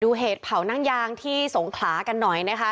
เหตุเผานั่งยางที่สงขลากันหน่อยนะคะ